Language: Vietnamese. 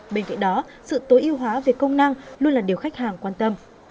bên cạnh đó sự tối ưu hóa về công năng luôn là điều khách hàng quan tâm